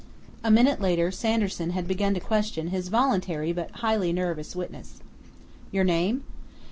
A minute later Sanderson had begun to question his voluntary but highly nervous witness. "Your name?"